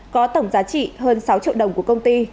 có tổng giá trị hơn sáu triệu đồng của công ty